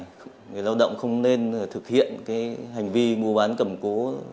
người lao động không nên thực hiện cái hành vi mua bán cầm cố